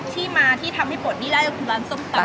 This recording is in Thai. ที่มาที่ทำให้ปลดหนี้ได้ก็คือร้านส้มตำ